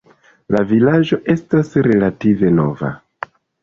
La vilaĝo estas relative nova.